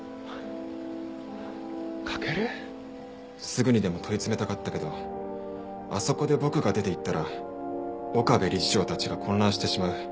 すぐにでも問い詰めたかったけどあそこで僕が出ていったら岡部理事長たちが混乱してしまう。